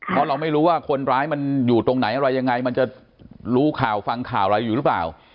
เพราะเราไม่รู้ว่าคนร้ายมันอยู่ตรงไหนอะไรยังไงมันจะรู้ข่าวฟังข่าวอะไรอยู่หรือเปล่า